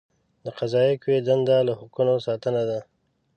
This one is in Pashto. د قضائیه قوې دنده له حقوقو ساتنه ده.